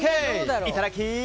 いただき！